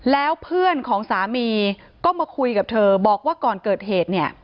แล้วเพื่อนของสามีก็มาคุยกับเธอบอกว่าก่อนเกิดเหตุเนี่ย